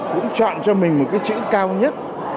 cũng chọn cho mình một cái chữ cao nhất